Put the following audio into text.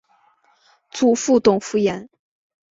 祖父董孚言。